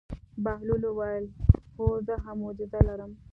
بهلول وویل: هو زه هم معجزه لرم.